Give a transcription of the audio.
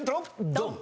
ドン！